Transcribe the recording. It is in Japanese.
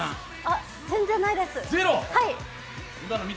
全然ないです。